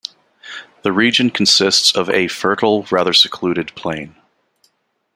The region consists of a fertile, rather secluded, plain.